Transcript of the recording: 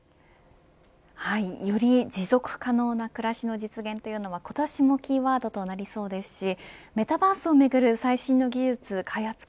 より持続可能な暮らしの実現というのは今年もキーワードとなりそうですしメタバースをめぐる最新の技術開発